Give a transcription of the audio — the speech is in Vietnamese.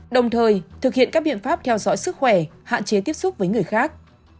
đồng thời thực hiện các biện pháp theo dõi sức khỏe hạn chế tiếp xúc với người khác